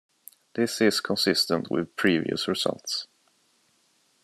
This is consistent with previous results.